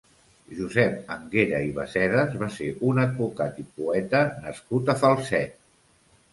Josep Anguera i Bassedas va ser un advocat i poeta nascut a Falset.